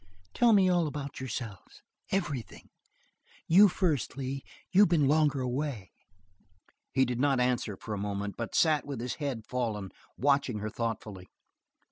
"Tell me all about yourselves. Everything. You first, Lee. You've been longer away." He did not answer for a moment, but sat with his head fallen, watching her thoughtfully.